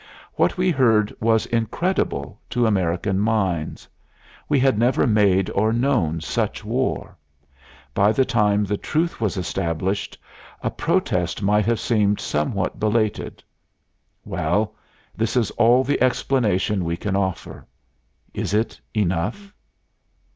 What we heard was incredible to American minds. We had never made or known such war. By the time the truth was established a protest might have seemed somewhat belated. Well, this is all the explanation we can offer. Is it enough?